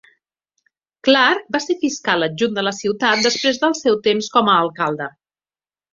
Clark va ser fiscal adjunt de la ciutat després del seu temps com a alcalde.